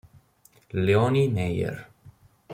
Leonie Maier